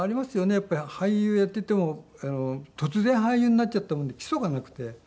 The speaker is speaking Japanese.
やっぱり俳優やっていても突然俳優になっちゃったもんで基礎がなくて。